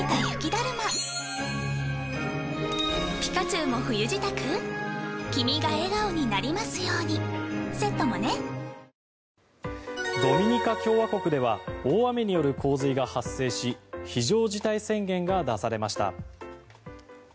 １つの地球で本当に領土を争ってドミニカ共和国では大雨による洪水が発生し非常事態宣言が出されました。